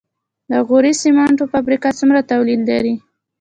د غوري سمنټو فابریکه څومره تولید لري؟